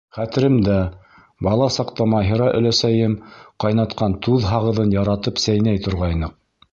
Хәтеремдә: бала саҡта Маһира өләсәйем ҡайнатҡан туҙ һағыҙын яратып сәйнәй торғайныҡ.